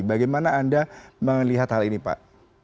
bagaimana anda melihat hal ini pak